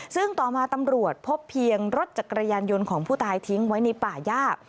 ซึ่งต่อมาตำรวจพบเพียงรถจักรยานยนต์ของผู้ตายทิ้งไว้ในป่าย่า